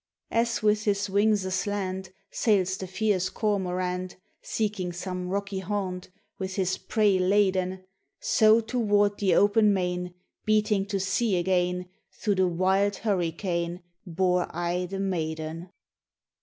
"As with his wings aslant, Sails the fierce cormorant, Seeking some rocky haunt, With his prey laden, RAINBOW GOLD So toward the open main, Beating to sea again, Through the wild hurricane, Bore I the maiden.